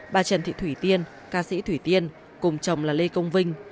bà trần thị thủy tiên ca sĩ thủy tiên cùng chồng là lê công vinh